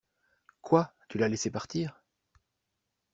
Quoi? Tu l'as laissé partir ?